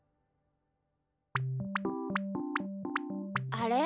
あれ？